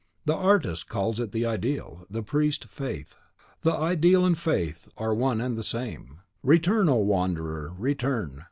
the artist calls it the Ideal, the priest, Faith. The Ideal and Faith are one and the same. Return, O wanderer, return!